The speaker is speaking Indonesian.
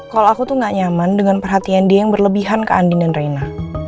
kalau aku tuh gak nyaman dengan perhatian dia yang berlebihan ke andin dan raina